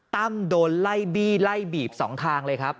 ตั้มโดนไล่บี้ไล่บีบสองทางเลยครับ